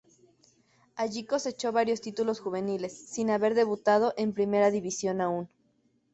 Allí cosechó varios títulos juveniles, sin haber debutado en primera división aún.